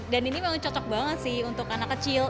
dan ini memang cocok banget sih untuk anak kecil